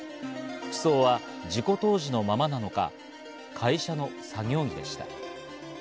服装は事故当時のままなのか、会社の作業着でした。